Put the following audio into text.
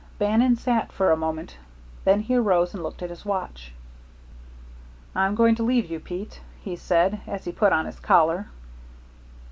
Bannon sat for a moment, then he arose and looked at his watch. "I'm going to leave you, Pete," he said, as he put on his collar.